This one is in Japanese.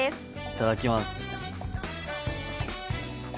いただきます。